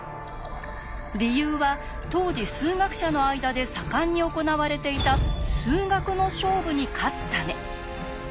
理由は当時数学者の間で盛んに行われていた「数学の勝負」に勝つため。